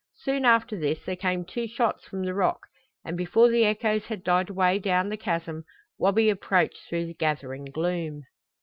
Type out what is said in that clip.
Soon after this there came two shots from the rock and before the echoes had died away down the chasm Wabi approached through the gathering gloom.